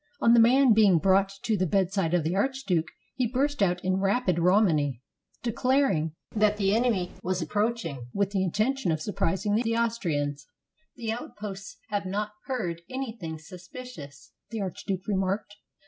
On the man being brought to the bedside of the archduke, he burst out into rapid Romany, declaring that the 401 AUSTRIA HUNGARY enemy were approaching with the intention of surprising the Austrians. " The outposts have not heard anything suspicious," the archduke remarked.